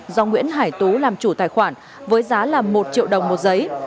do nguyễn hải tú làm chủ tài khoản với giá là một triệu đồng một giấy